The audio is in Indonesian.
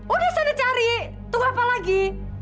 udah sana cari tunggu apa lagi